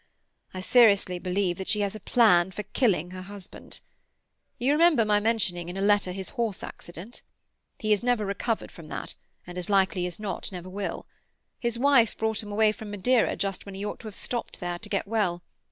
I seriously believe that she has a plan for killing her husband. You remember my mentioning in a letter his horse accident? He has never recovered from that, and as likely as not never will. His wife brought him away from Madeira just when he ought to have stopped there to get well.